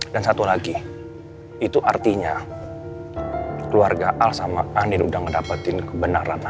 dan satu lagi itu artinya keluarga al sama anin udah ngedapetin kebenaran nay